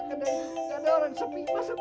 ada orang sepi masuk